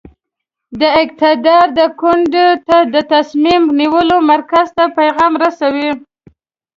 د اقدار د کونډې ته د تصمیم نیولو مرکز ته پیغام رسوي.